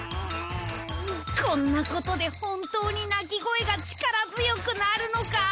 こんなことで本当に鳴き声が力強くなるのかぁ？